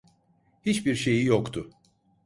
Hiçbir şeyi yoktu.